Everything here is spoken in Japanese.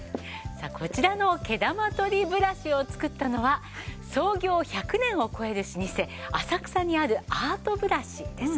こちらの毛玉取りブラシを作ったのは創業１００年を超える老舗浅草にあるアートブラシです。